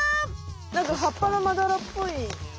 なんかはっぱのまだらっぽい。